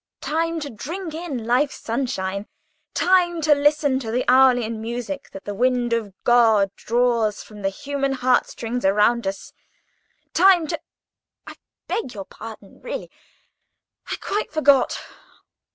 Time to drink in life's sunshine—time to listen to the Æolian music that the wind of God draws from the human heart strings around us—time to— I beg your pardon, really. I quite forgot.